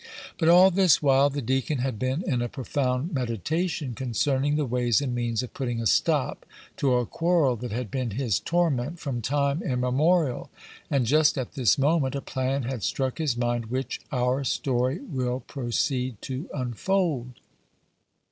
But all this while the deacon had been in a profound meditation concerning the ways and means of putting a stop to a quarrel that had been his torment from time immemorial, and just at this moment a plan had struck his mind which our story will proceed to unfold.